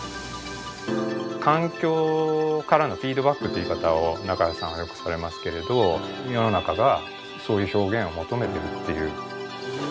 という言い方を中谷さんはよくされますけれど世の中がそういう表現を求めてるっていう。